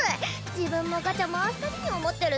自分もガチャ回す度に思ってるっス。